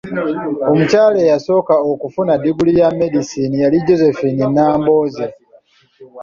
Omukyaala eyasooka okufuna diguli ya medicine yali Josephine Nambooze.